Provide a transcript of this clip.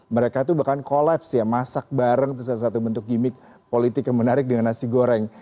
mereka tuh bahkan kolaps ya masak bareng tuh salah satu bentuk gimmick politik yang menarik dengan nasi goreng